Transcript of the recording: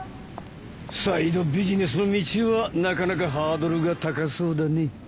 サイドビジネスの道はなかなかハードルが高そうだね。